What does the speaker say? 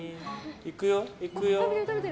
いくよ、いくよ。